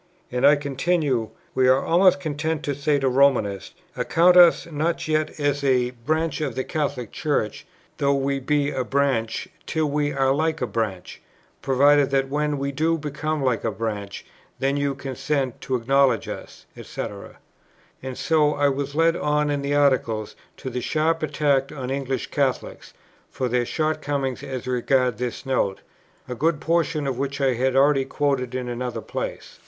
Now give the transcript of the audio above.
And I continue, "We are almost content to say to Romanists, account us not yet as a branch of the Catholic Church, though we be a branch, till we are like a branch, provided that when we do become like a branch, then you consent to acknowledge us," &c. And so I was led on in the Article to that sharp attack on English Catholics, for their shortcomings as regards this Note, a good portion of which I have already quoted in another place.